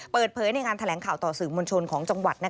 เปิดเผยในงานแถลงข่าวต่อสื่อมวลชนของจังหวัด